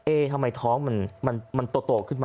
ทำไมท้องมันโตขึ้นมา